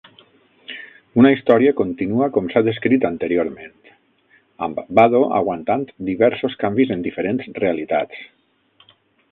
Una història continua com s'ha descrit anteriorment, amb Bado aguantant diversos canvis en diferents realitats.